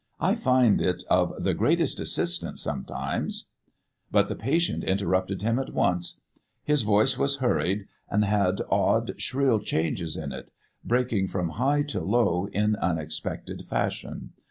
"I find it of the greatest assistance sometimes " But the patient interrupted him at once. His voice was hurried and had odd, shrill changes in it, breaking from high to low in unexpected fashion.